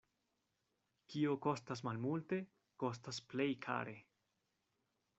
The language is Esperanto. Kio kostas malmulte, kostas plej kare.